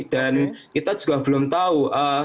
dan kita juga belum tahu